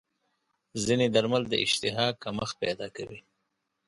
ځینې درمل د اشتها کمښت پیدا کوي.